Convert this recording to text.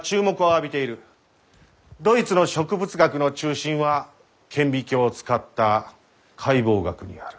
ドイツの植物学の中心は顕微鏡を使った解剖学にある。